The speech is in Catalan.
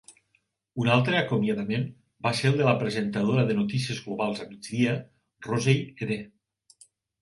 Un altre acomiadament va ser el de la presentadora de "Notícies globals a migdia", Rosey Edeh.